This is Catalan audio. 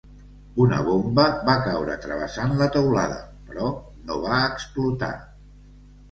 Una bomba va caure travessant la teulada, però no va explotar.